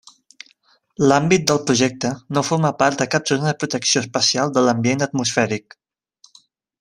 L'àmbit del Projecte no forma part de cap zona de protecció especial de l'ambient atmosfèric.